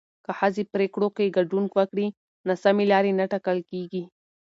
که ښځې پرېکړو کې ګډون وکړي، ناسمې لارې نه ټاکل کېږي.